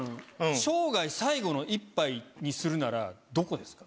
生涯最後の一杯にするならどこですか？